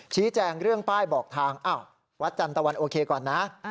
ชี้แจงเรื่องป้ายบอกทางอ้าววัดจันตะวันโอเคก่อนนะ